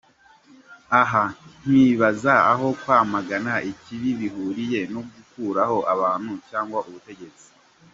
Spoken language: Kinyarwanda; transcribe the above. Aha nkibaza aho kwamagana ikibi bihuriye no gukuraho abantu cyangwa ubutegetsi !